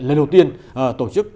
lần đầu tiên tổ chức